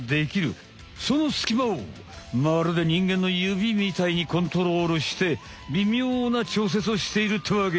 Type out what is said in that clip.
そのスキマをまるでにんげんの指みたいにコントロールしてびみょうなちょうせつをしているってわけ。